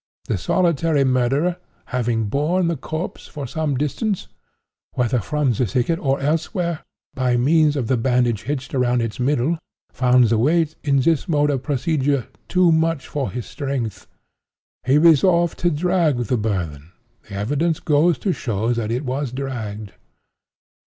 The solitary murderer, having borne the corpse, for some distance (whether from the thicket or elsewhere) by means of the bandage hitched around its middle, found the weight, in this mode of procedure, too much for his strength. He resolved to drag the burthen—the evidence goes to show that it was dragged.